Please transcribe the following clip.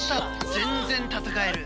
全然戦える！